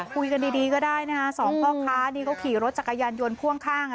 คุยกันดีก็ได้นะคะสองพ่อค้านี่เขาขี่รถจักรยานยนต์พ่วงข้าง